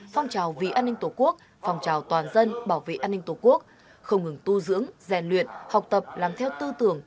phong trào vì an ninh tổ quốc phong trào toàn dân bảo vệ an ninh tổ quốc không ngừng tu dưỡng rèn luyện học tập làm theo tư tưởng